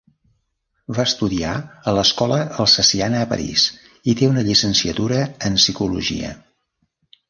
Va estudiar a l'escola alsaciana a París i té una llicenciatura en psicologia.